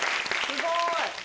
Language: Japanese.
すごい。